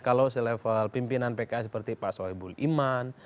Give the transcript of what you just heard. kalau selevel pimpinan pks seperti pak soebul iman